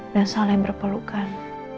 dan saling berpelukan